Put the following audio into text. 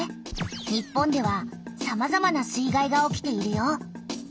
日本ではさまざまな水害が起きているよ。